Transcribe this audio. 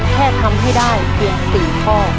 แค่ทำให้ได้เพียง๔ข้อ